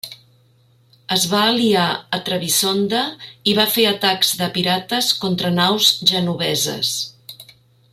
Es va aliar a Trebisonda i va fer atacs de pirates contra naus genoveses.